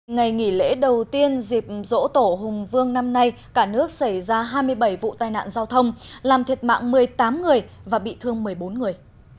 ngày nghỉ lễ đầu tiên dịp dỗ tổ hùng vương năm nay cả nước xảy ra hai mươi bảy vụ tai nạn giao thông làm thiệt mạng một mươi tám người và bị thương một mươi bốn người